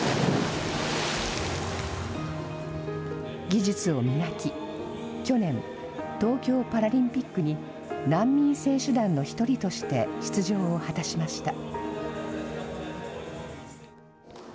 技術を磨き、去年、東京パラリンピックに難民選手団の１人として出場を果たしました。